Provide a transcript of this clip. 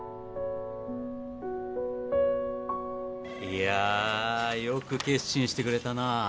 ３２１いやよく決心してくれたなぁ。